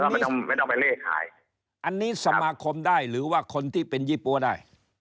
ไม่ต้องไม่ต้องไปเลขขายอันนี้สมาคมได้หรือว่าคนที่เป็นยี่ปั๊วได้